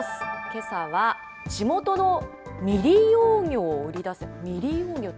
けさは地元の未利用魚を売りだせ！